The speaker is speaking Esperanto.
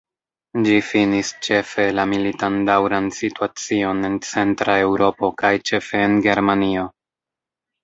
Ĝi finis ĉefe la militan daŭran situacion en Centra Eŭropo kaj ĉefe en Germanio.